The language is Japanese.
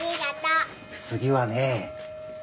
次はねぇ。